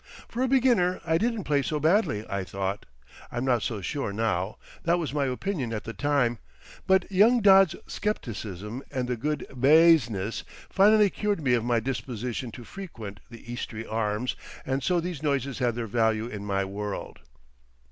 For a beginner I didn't play so badly, I thought. I'm not so sure now; that was my opinion at the time. But young Dodd's scepticism and the "good baazness" finally cured me of my disposition to frequent the Eastry Arms, and so these noises had their value in my world.